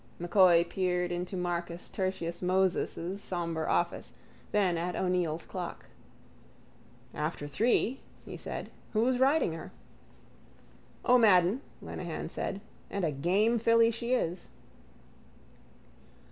M'Coy peered into Marcus Tertius Moses' sombre office, then at O'Neill's clock. —After three, he said. Who's riding her? —O. Madden, Lenehan said. And a game filly she is.